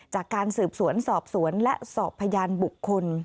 จากการสืบสวนสอบสวนและสอบพยานบุคคล